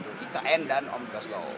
untuk ikn dan omnibus law